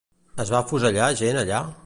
Es va afusellar gent allà?